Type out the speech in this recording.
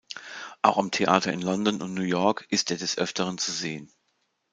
Auch am Theater in London und New York ist er des Öfteren zu sehen.